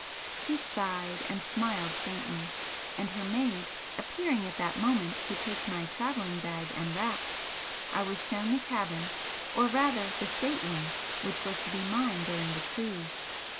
She sighed and smiled faintly, and her maid appearing at that moment to take my travelling bag and wraps, I was shown the cabin, or rather the state room which was to be mine during the cruise.